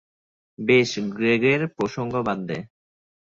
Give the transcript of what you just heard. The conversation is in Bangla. বেশ, গ্রেগের প্রসঙ্গ বাদ দে।